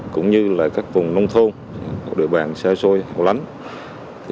cũng như các vùng nông thôn hậu địa bàn xe xôi hậu lánh